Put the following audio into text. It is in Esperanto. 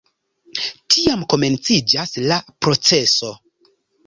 Tiam komenciĝas la proceso.